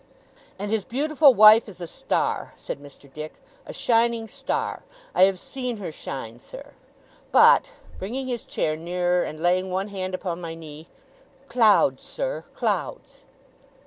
'And his beautiful wife is a star,' said Mr. Dick. 'A shining star. I have seen her shine, sir. But,' bringing his chair nearer, and laying one hand upon my knee 'clouds, sir clouds.